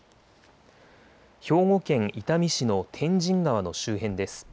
兵庫県伊丹市の天神川の周辺です。